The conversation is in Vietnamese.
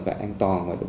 và an toàn